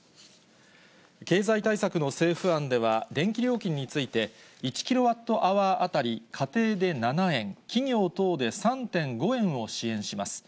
経済対策の政府案では、電気料金について、１キロワットアワー当たり家庭で７円、企業等で３．５円を支援します。